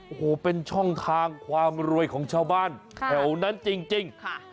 โอ้โหเป็นช่องทางความรวยของชาวบ้านแถวนั้นจริง